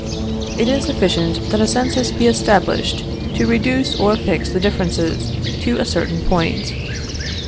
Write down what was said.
It is sufficient that a census be established to reduce or fix the differences to a certain point.